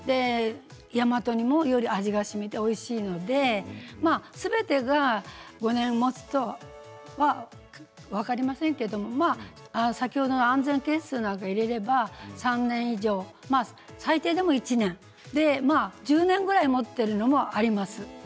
大和煮も、より味がしみておいしいのですべてが５年もつとは分かりませんけれども先ほどの安全検査なんかを入れれば、３年以上最低でも１０年ぐらいもっているものもあります。